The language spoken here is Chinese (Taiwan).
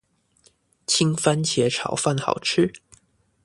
青番茄炒飯好吃